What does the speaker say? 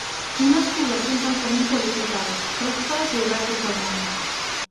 Unes poblacions altament qualificades, pròsperes i obertes al món.